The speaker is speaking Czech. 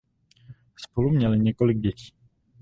Spolu měli několik dětí.